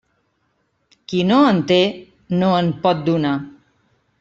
Qui no en té, no en pot donar.